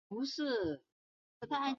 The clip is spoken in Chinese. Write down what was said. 毕业于广州师范大学。